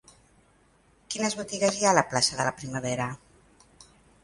Quines botigues hi ha a la plaça de la Primavera?